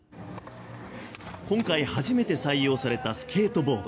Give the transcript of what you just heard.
今回、初めて採用されたスケートボード。